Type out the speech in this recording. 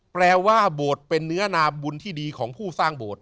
แปลว่าโบสถ์เป็นเนื้อนาบุญที่ดีของผู้สร้างโบสถ